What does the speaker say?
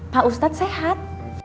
pak ustadz sehat